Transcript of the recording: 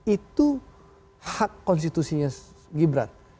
itu hak konstitusinya gibran